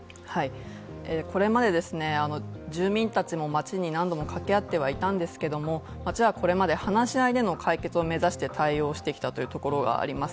これまで住民たちも町に何度もかけ合ってはいたんですけれども町はこれまで話し合いでの解決を目指して対応してきたというところがあります。